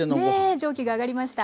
蒸気が上がりました。